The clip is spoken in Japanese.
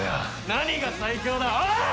何が最強だ？ああ！？